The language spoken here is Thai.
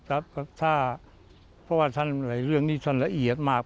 เพราะว่าท่านเห็นเรื่องนี้สันละเอียดมาก